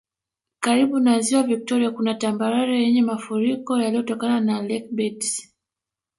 Karibu na Ziwa Viktoria kuna tambarare yenye mafuriko yaliyotokana na lakebeds